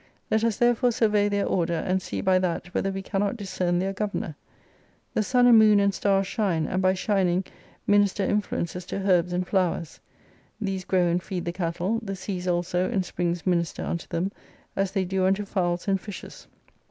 Let us therefore survey their order, and see by that whether we cannot discern their governor. The sun, and moon, and stars shine, and by shining minister influences to herbs and flowers. These grow and feed the cattle : the seas also and springs minister unto them, as they do unto fowls and fishes.